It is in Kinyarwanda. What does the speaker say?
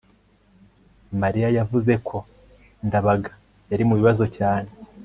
mariya yavuze ko ndabaga yari mu bibazo cyane